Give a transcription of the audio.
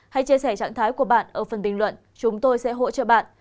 hãy chia sẻ trạng thái của bạn ở phần bình luận chúng tôi sẽ hỗ trợ bạn